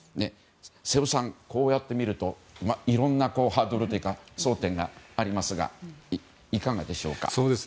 瀬尾さん、こうやってみるといろんなハードルというか争点がありますがいかがでしょうか？